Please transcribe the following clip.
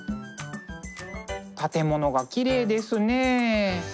建物がきれいですね。